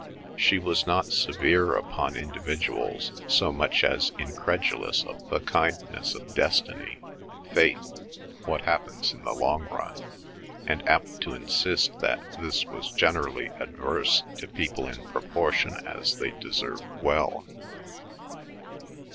She was not severe upon individuals so much as incredulous of the kindness of destiny, fate, what happens in the long run, and apt to insist that this was generally adverse to people in proportion as they deserved well.